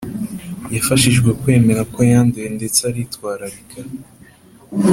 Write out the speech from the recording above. Yafashijwe kwemera ko yanduye ndetse ari twararika